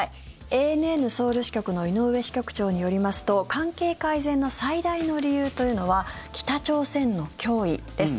ＡＮＮソウル支局の井上支局長によりますと関係改善の最大の理由というのは北朝鮮の脅威です。